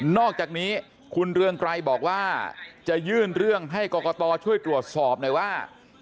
อกจากนี้คุณเรืองไกรบอกว่าจะยื่นเรื่องให้กรกตช่วยตรวจสอบหน่อยว่า